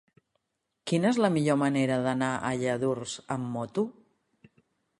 Quina és la millor manera d'anar a Lladurs amb moto?